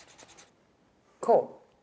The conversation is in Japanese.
こう。